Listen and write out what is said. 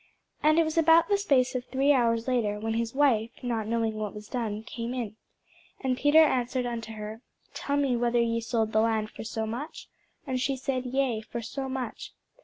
And it was about the space of three hours after, when his wife, not knowing what was done, came in. And Peter answered unto her, Tell me whether ye sold the land for so much? And she said, Yea, for so much.